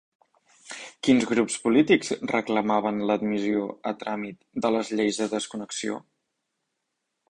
Quins grups polítics reclamaven l'admissió a tràmit de les lleis de desconnexió?